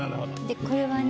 でこれはね。